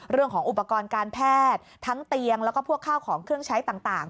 เรื่องของอุปกรณ์การแพทย์ทั้งเตียงแล้วก็พวกข้าวของเครื่องใช้ต่าง